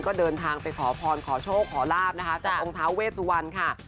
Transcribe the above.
ก็เดินทางไปขอพรขอโชคขอลาบจากองค์ท้าเวทสุวรรณ